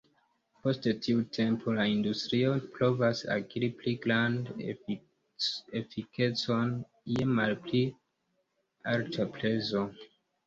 Post tiu tempo, la industrio provas akiri pli grandan efikecon je malpli alta prezo.